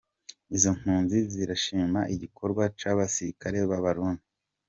Izo mpunzi zirashima igikorwa c'abasirikare b'abarundi.